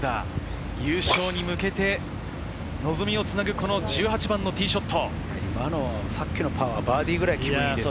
優勝に向けて望みをつなぐ１８番ティーショット。